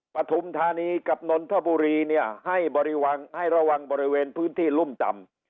ปฐุมธานีกับนนทบุรีเนี่ยให้ระวังบริเวณพื้นที่รุ่มต่ำ